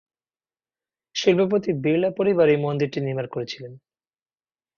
শিল্পপতি বিড়লা পরিবার এই মন্দিরটি নির্মাণ করেছিলেন।